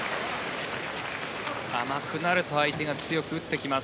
甘くなると相手が強く打ってきます。